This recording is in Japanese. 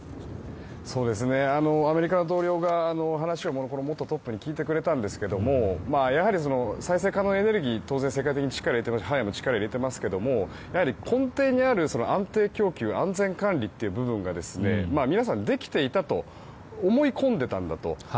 アメリカの同僚が話を元トップに聞いてくれたんですが再生可能エネルギーは世界的に力を入れているのでハワイも力を入れていますが根底にある安定供給安全管理という部分が皆さんできていたと思い込んでいたんだと。